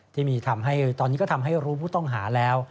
ที่มีทำให้ตอนนี้ก็ทำให้รู้ผู้ต้องหาแล้ว